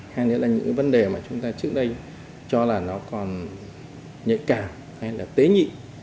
hay nữa là những vấn đề mà chúng ta trước đây cho là nó còn nhạy cảm hay là tế nhị